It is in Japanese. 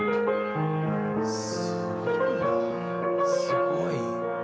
すごい。